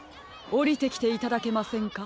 おりてきていただけませんか？